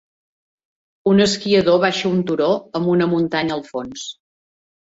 Un esquiador baixa un turó amb una muntanya al fons.